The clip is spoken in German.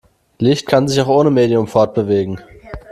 Licht kann sich auch ohne Medium fortbewegen.